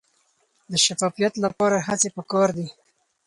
د شفافیت لپاره هڅې پکار دي.